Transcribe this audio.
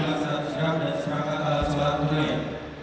dan saya berterima kasih kepada masyarakat dan masyarakat ala suatu